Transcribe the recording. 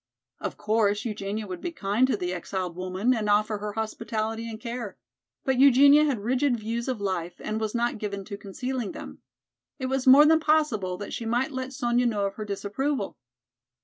Of course, Eugenia would be kind to the exiled woman and offer her hospitality and care. But Eugenia had rigid views of life and was not given to concealing them. It was more than possible that she might let Sonya know of her disapproval.